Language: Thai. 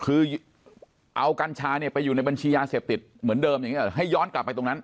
คือเอากัญชาเนี่ยไปอยู่ในบัญชียาเสพติดเหมือนเดิมอย่างนี้ให้ย้อนกลับไปตรงนั้น